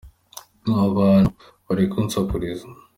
ababantu barikunsakuriza